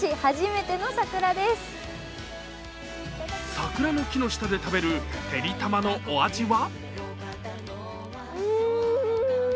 桜の木の下で食べるてりたまのお味は？